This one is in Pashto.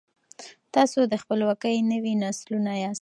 تاسو د خپلواکۍ نوي نسلونه یاست.